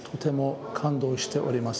とても感動しております。